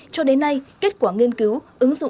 cho đến nay kết quả nghiên cứu